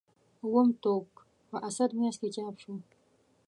اووم ټوک په اسد میاشت کې چاپ شو.